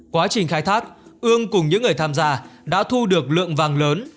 quá trình khai thác ương cùng những người tham gia đã thu được lượng vàng lớn